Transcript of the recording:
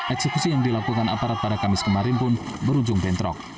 eksekusi yang dilakukan aparat pada kamis kemarin pun berujung bentrok